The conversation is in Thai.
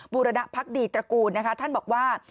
บุรณพักดีตระกูลนะคะท่านบอกว่า